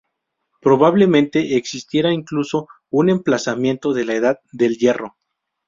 Probablemente existiera incluso un emplazamiento de la Edad del Hierro.